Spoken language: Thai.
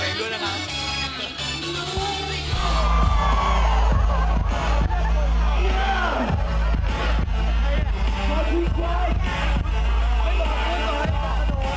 ไปละค่ะวันต่อไปบ้างค่ะ